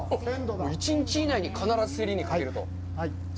一日以内に必ず競りにかけると。